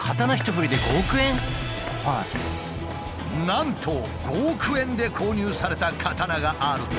なんと５億円で購入された刀があるという。